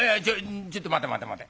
ちょっと待て待て待て。